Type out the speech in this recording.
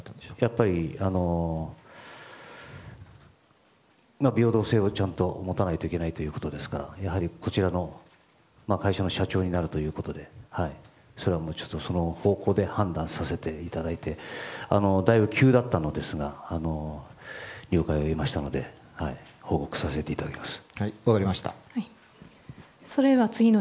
やっぱり平等性をちゃんと持たないといけないということですから会社の社長になるということでそれはその方向で判断させていただいてだいぶ急だったのですが了解を得ましたので報告させていただきます。